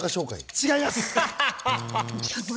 違います。